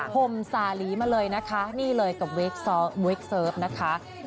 ห่มสาหลีมาเลยนะคะนี่เลยกับเวคเซิร์ฟนะคะ